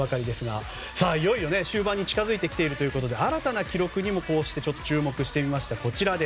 いよいよ終盤に近付いてきて新たな記録にも注目してみました。